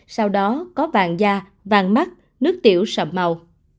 sau đó có vàng da vàng mắt nước tiểu sọc màu